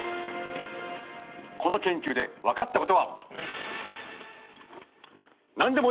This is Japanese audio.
この研究で分かったことは。